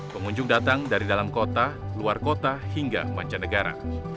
pengunjung datang dari dalam kota luar kota hingga mancanegara